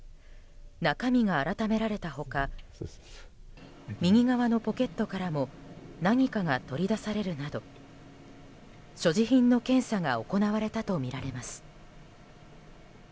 中身があらためられた他右側のポケットからも何かが取り出されるなど所持品の検査が行われたとみられます。